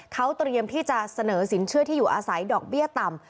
เขาเตรียมที่จะเสนอสินเชื่อที่อยู่อาศัยดอกเบี้ยต่ำ